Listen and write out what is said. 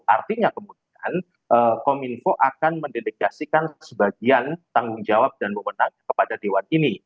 artinya kemudian kominfo akan mendelegasikan sebagian tanggung jawab dan memenang kepada dewan ini